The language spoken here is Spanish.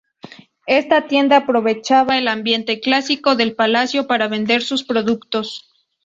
Esta tienda aprovechaba el ambiente clásico del palacio para vender sus productos.